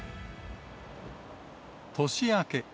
年明け。